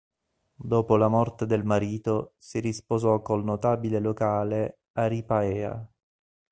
Dopo la morte del marito si risposò col notabile locale Ari'ipaea.